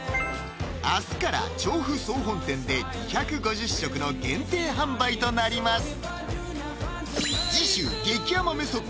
明日から調布総本店で２５０食の限定販売となります